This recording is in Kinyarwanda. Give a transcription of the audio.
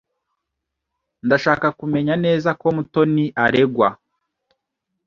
Ndashaka kumenya neza ko Mutoni aregwa.